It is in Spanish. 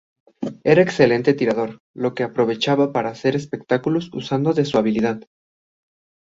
Era excelente tirador, lo que aprovechaba para hacer espectáculos usando de su habilidad.